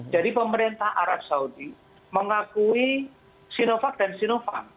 jadi pemerintah arab saudi mengakui sinovac dan sinovac